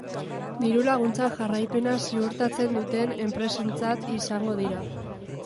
Diru-laguntzak jarraipena ziurtatzen duten enpresentzat izango dira.